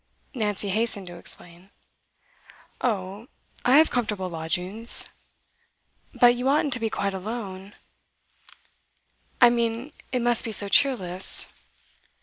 Nancy hastened to explain. 'Oh, I have comfortable lodgings.' 'But you oughtn't to be quite alone. I mean it must be so cheerless.